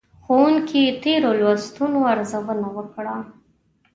ښوونکي تېرو لوستونو ارزونه وکړه.